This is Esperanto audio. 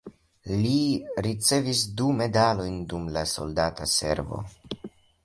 Li ricevis du medalojn dum la soldata servo.